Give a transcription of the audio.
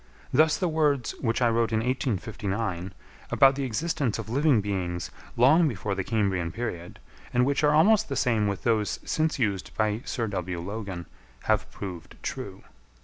Thus the words, which I wrote in 1859, about the existence of living beings long before the Cambrian period, and which are almost the same with those since used by Sir W. Logan, have proved true.